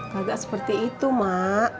kagak seperti itu mak